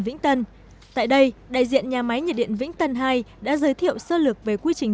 vĩnh tân tại đây đại diện nhà máy nhiệt điện vĩnh tân hai đã giới thiệu sơ lược về quy trình